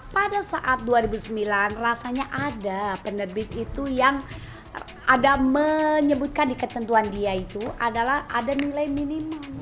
pada saat dua ribu sembilan rasanya ada penerbit itu yang ada menyebutkan di ketentuan dia itu adalah ada nilai minimal